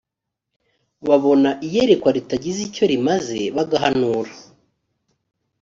babona iyerekwa ritagize icyo rimaze bagahanura